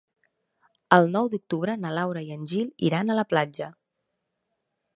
El nou d'octubre na Laura i en Gil iran a la platja.